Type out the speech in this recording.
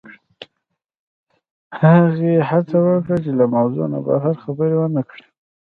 هغې هڅه وکړه چې له موضوع نه بهر خبرې ونه کړي